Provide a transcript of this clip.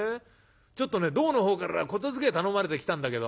ちょっとね胴のほうから言づけ頼まれて来たんだけど」。